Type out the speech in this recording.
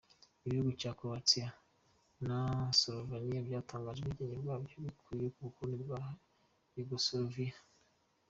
Ibihugu cya Croatia na Slovenia byatangaje ubwigenge bwabyo, byikura mu bukoloni bwa Yugoslavia.